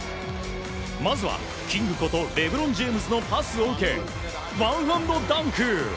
まずは、キングことレブロン・ジェームズのパスを受けワンハンドダンク！